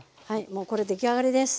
もうこれ出来上がりです。